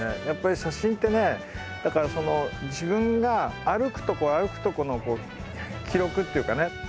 やっぱり写真ってねだからその自分が歩くとこ歩くとこの記録っていうかね